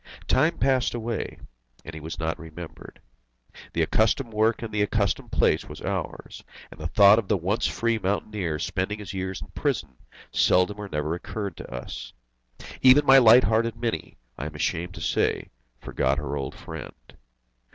Time passed away, and he was not remembered. The accustomed work in the accustomed place was ours, and the thought of the once free mountaineer spending his years in prison seldom or never occurred to us. Even my light hearted Mini, I am ashamed to say, forgot her old friend.